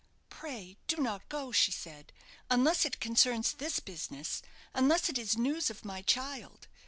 "Pray do not go," she said, "unless it concerns this business, unless it is news of my child.